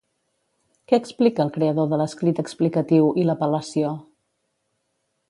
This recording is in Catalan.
Què explica el creador de l'escrit explicatiu i l'apel·lació?